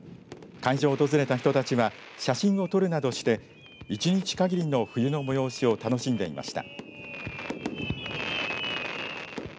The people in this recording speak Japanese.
会場を訪れた人たちは写真を撮るなどして一日限りの冬の催しを楽しんでいました。